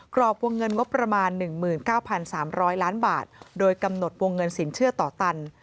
รอบวงเงินงบประมาณ๑๙๓๐๐ล้านบาทโดยกำหนดวงเงินสินเชื่อต่อตัน